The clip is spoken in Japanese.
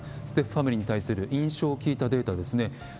ステップファミリーに対する印象を聞いたデータですね。